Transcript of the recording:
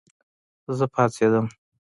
زه پاڅېدم